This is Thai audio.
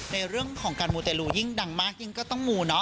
ในเรื่องของการมูเตรลูยิ่งดังมากยิ่งก็ต้องมูเนาะ